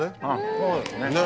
そうですね。